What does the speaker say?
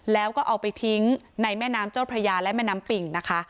แล้วก็เอาไปทิ้งในแม่น้ำเจ้าพระยาและแม่น้ำปิ่งนะคะ